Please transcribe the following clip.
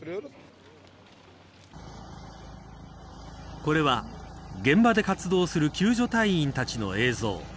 これは現場で活動する救助隊員たちの映像。